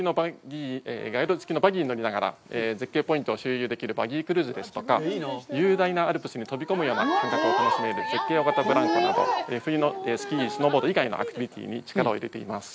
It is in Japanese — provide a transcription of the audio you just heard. ガイド付きのバギーに乗りながら絶景ポイントを周遊できるバギークルーズですとか、雄大なアルプスに飛び込むような感覚を楽しめる絶景大型ブランコなど冬のスキー、スノーボード以外のアクティビティに力を入れています。